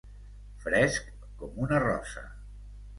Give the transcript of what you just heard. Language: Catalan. Fresc com una rosa.